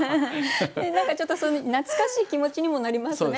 何かちょっと懐かしい気持ちにもなりますね。